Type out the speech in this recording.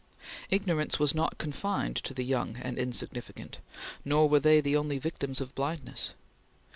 Ignorance was not confined to the young and insignificant, nor were they the only victims of blindness.